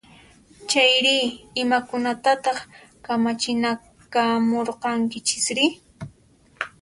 Chayri, imakunatataq kamachinakamurqankichisri?